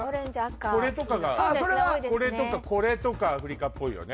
これとかがこれとかこれとかアフリカっぽいよね